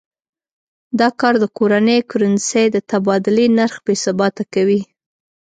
دا کار د کورنۍ کرنسۍ د تبادلې نرخ بې ثباته کوي.